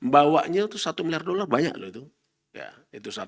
bawanya itu satu miliar dolar banyak loh itu